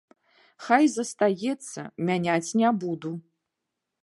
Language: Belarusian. Хай застаецца, мяняць не буду.